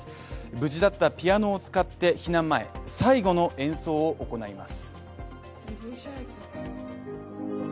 無事だったピアノを使って避難前、最後の演奏を行います。